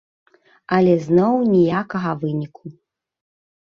Але зноў ніякага выніку.